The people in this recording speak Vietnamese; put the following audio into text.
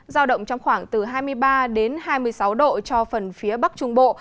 giao động trong khoảng từ hai mươi ba đến hai mươi sáu độ cho phần phía bắc trung bộ